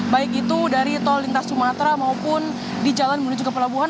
baik itu dari tol lintas sumatera maupun di jalan menuju ke pelabuhan